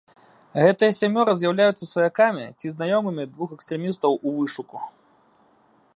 Гэтыя сямёра з'яўляюцца сваякамі ці знаёмымі двух экстрэмістаў у вышуку.